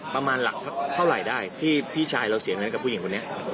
ประมาณหลักเท่าไหร่ได้ที่พี่ชายเราเสียเงินกับผู้หญิงคนนี้